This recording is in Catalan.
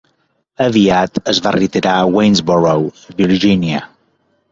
Aviat es va retirar a Waynesboro, Virgínia.